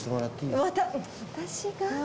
私が？